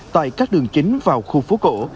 tại các đường chính vào khu phố cổ